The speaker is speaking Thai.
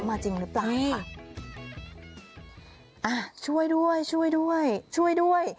มาจริงหรือเปล่าอ่ะช่วยด้วยช่วยด้วยช่วยด้วย